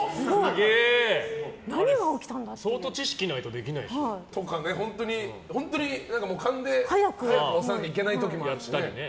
相当知識がないとできないでしょ。とか、本当に勘で早く押さなきゃいけない時もあるし。